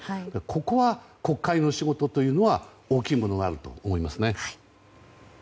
ここは国会の仕事というのは大きいものがあると思いますね。